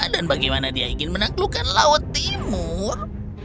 bagaimana dia ingin menaklukkan laut timur